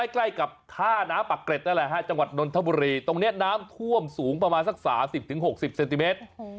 ใกล้กับท่าน้ำปากเกร็ดนั่นแหละฮะจังหวัดนนทบุรีตรงนี้น้ำท่วมสูงประมาณสัก๓๐๖๐เซนติเมตร